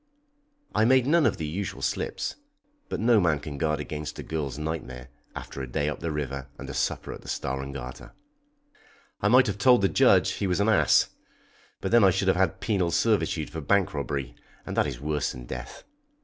I made none of the usual slips, but no man can guard against a girl's nightmare after a day up the river and a supper at the Star and Garter. I might have told the judge he was an ass, but then I should have had penal servitude for bank robbery, and that is worse than death.